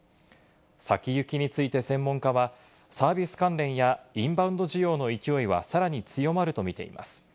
先行きについて専門家は、サービス関連やインバウンド需要の勢いはさらに強まるとみています。